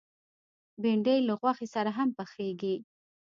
بېنډۍ له غوښې سره هم پخېږي